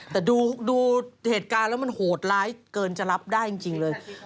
แต่ดูเหตุการณ์แล้วมันโหดร้ายเกินจะรับได้จริงเลย